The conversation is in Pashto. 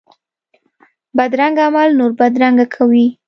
بدرنګه عمل نور بدرنګه کوي